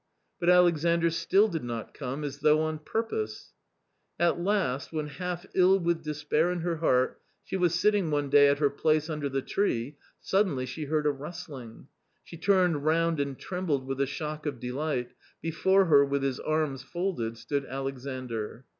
But Alexandr still did not come, as though on purpose. At last, when half ill with despair in her heart, she was sitting one day at her place under the tree, suddenly she heard a rustling ; she turned round and trembled with the shock of delight ; before her, with his arms folded, stood Alexandr.